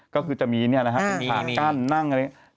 ก็คือจะมีนี่นะฮะทางกล้านนั่งอะไรอย่างนี้